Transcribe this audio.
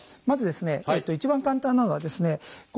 まずですね一番簡単なのはですね